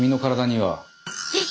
えっ？